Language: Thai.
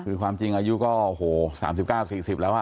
คือความจริงอายุก็๓๙๔๐แล้ว